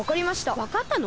わかったの？